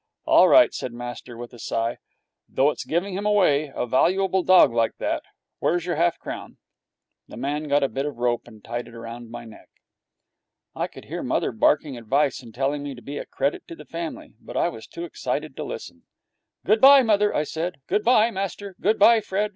'All right,' said master, with a sigh, 'though it's giving him away, a valuable dog like that. Where's your half crown?' The man got a bit of rope and tied it round my neck. I could hear mother barking advice and telling me to be a credit to the family, but I was too excited to listen. 'Good bye, mother,' I said. 'Good bye, master. Good bye, Fred.